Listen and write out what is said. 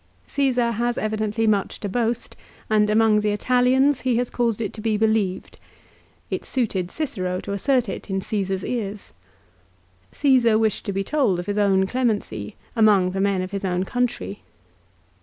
Csesar has evidently much to boast, and among the Italians he has caused it to be believed. Jt suited Cicero to assert it in Csesar's ears. Csesar wished to be told of his own clemency, among the men of his own country.